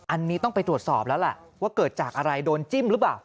อันนี้ต้องไปตรวจสอบแล้วล่ะว่าเกิดจากอะไรโดนจิ้มหรือเปล่า